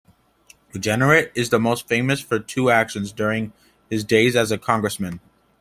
Jenrette is most famous for two actions during his days as a Congressman.